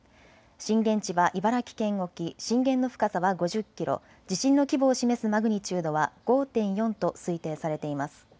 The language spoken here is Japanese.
震源地は茨城県沖、震源の深さは５０キロ、地震の規模を示すマグニチュードは５．４と推定されています。